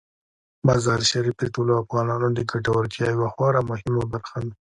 مزارشریف د ټولو افغانانو د ګټورتیا یوه خورا مهمه برخه ده.